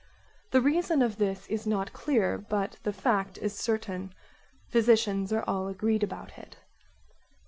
The reason of this is not clear; but the fact is certain. Physicians are all agreed about it.